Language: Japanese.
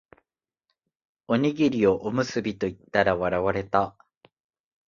おにぎりをおむすびと言ったら笑われた